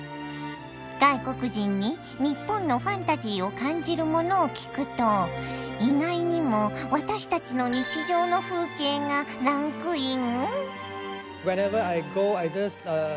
外国人に日本のファンタジーを感じるものを聞くと意外にも私たちの日常の風景がランクイン？